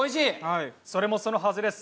それもそのはずです。